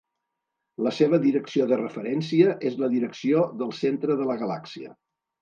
La seva direcció de referència és la direcció del centre de la galàxia.